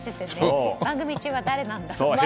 番組中は誰なんだって。